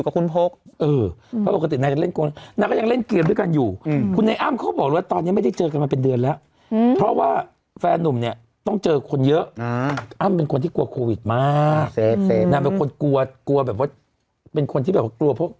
เราน่าจะคิดกันใหม่เนอะว่าแต่ละภาคไอ้ป้ายหาเสียงเสร็จแล้ว